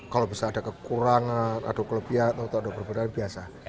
kalau ada kekurangan ada kelebihan atau ada berbeda beda biasa